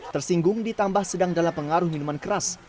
tersinggung ditambah sedang dalam pengaruh minuman keras